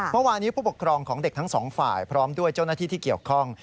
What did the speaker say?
เมื่อวานี้ผู้ปกครองของเด็กทั้งสองฝ่ายพร้อมด้วยเจ้าหน้าที่ที่เกี่ยวข้อง